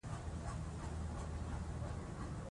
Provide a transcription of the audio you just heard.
د هند ټوډې ورځپاڼه د فضايي سټېشن انځور خپور کړی.